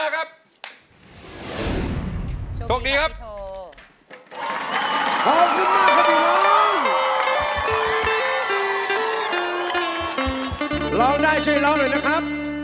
กลับไปร้องหน่อยนะครับ